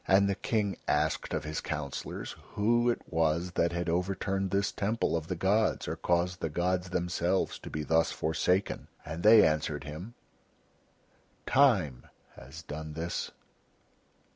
And the King asked of his councillors who it was that had overturned this temple of the gods or caused the gods Themselves to be thus forsaken. And they answered him: "Time has done this."